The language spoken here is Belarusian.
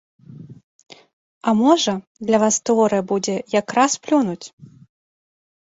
А можа, для вас тэорыя будзе як раз плюнуць?